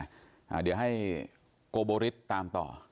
นะฮะเดี๋ยวให้กบฤษฐำต่อ